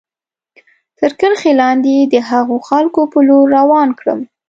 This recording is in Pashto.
تر کرښې لاندې د هغو خلکو په لور روان کړم.